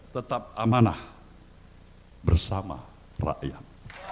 tetap amanah bersama rakyat